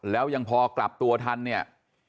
แล้วยังพอกลับตัวทันเนี่ย